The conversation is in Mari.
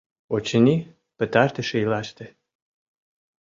Очыни, пытартыш ийлаште.